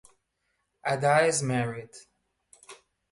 Addae is married.